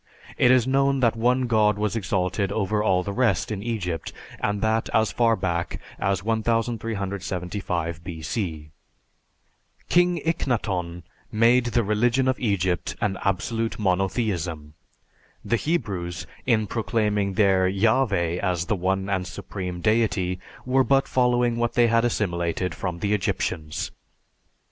It is known that one god was exalted over all the rest in Egypt, and that as far back as 1375 B.C. King Ikhnaton made the religion of Egypt an absolute monotheism. The Hebrews, in proclaiming their Yahveh as the one and supreme deity, were but following what they had assimilated from the Egyptians.